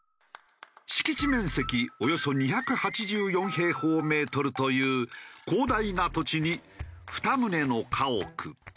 敷地面積およそ２８４平方メートルという広大な土地に２棟の家屋。